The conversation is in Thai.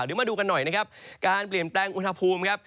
เดี๋ยวมาดูกันหน่อยนะครับการเปลี่ยนแปลงอุณหภูมิครับ